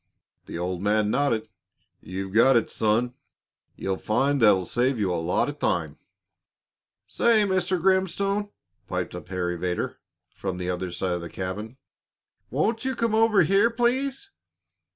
The old man nodded. "You've got it, son; you'll find that'll save you a lot of time." "Say, Mr. Grimstone," piped up Harry Vedder, from the other side of the cabin, "won't you come over here, please?"